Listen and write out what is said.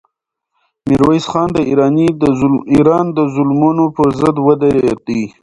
میرویس خان د ایران د ظلمونو پر ضد ودرېدی.